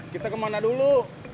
kita kemana dulu